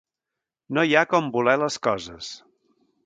No hi ha com voler les coses.